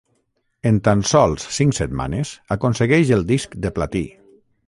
En tan sols cinc setmanes aconsegueix el Disc de Platí.